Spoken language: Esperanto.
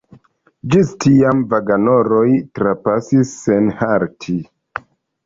Ĝis tiam, vagonaroj trapasis sen halti.